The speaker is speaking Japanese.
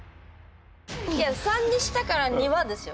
いや３にしたからにはですよ